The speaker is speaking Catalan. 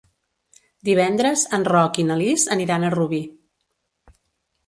Divendres en Roc i na Lis aniran a Rubí.